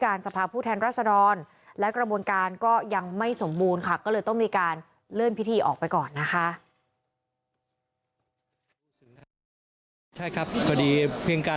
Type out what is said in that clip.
การสรรพาผู้แทนวราษฎรณและกระบวนการยังไม่สมบูรณ์ค่ะก็เลยต้องมีการเลื่อน